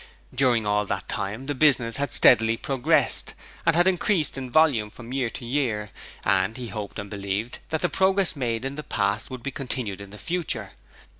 During all that time the business had steadily progressed and had increased in volume from year to year, and he hoped and believed that the progress made in the past would be continued in the future.